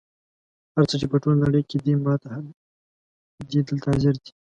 هر څه چې په ټوله نړۍ کې دي دلته حاضر دي.